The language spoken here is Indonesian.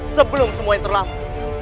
sebelum semua yang terlampau